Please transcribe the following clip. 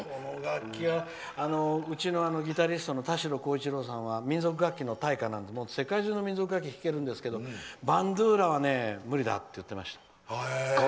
うちのギタリストの田代耕一郎さんは民族楽器の大家なので世界中の民族楽器を弾けるんですがバンドゥーラは無理だって言ってました。